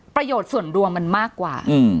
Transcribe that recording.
ประโยชน์ส่วนรวมมันมากกว่า